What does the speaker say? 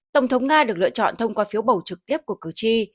tổng thống nga được lựa chọn thông qua phiếu bầu trực tiếp của cử tri